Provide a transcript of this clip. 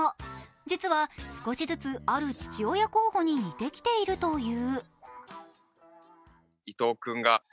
実は少しずつ、ある父親候補に似てきているという。